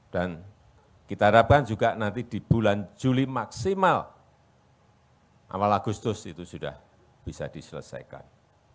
dan kita harapkan juga nanti di bulan juli maksimal awal agustus itu sudah bisa diselesaikan